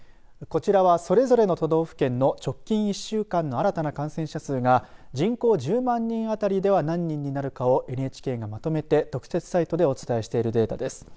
こちらはそれぞれの都道府県の直近１週間の新たな感染者数が人口１０万人あたりでは何人になるかをＮＨＫがまとめて特設サイトでお伝えしているデータです。